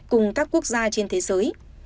cùng các quốc gia trên thế giới